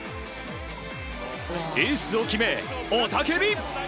エースを決め、雄たけび！